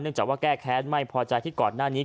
จากว่าแก้แค้นไม่พอใจที่ก่อนหน้านี้